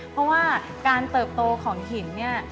เพราะว่าการเติบโตของหินเนี่ย